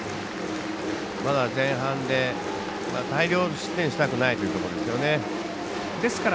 前半で大量失点したくないというところですよね。